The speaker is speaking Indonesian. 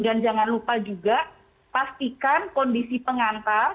dan jangan lupa juga pastikan kondisi pengantar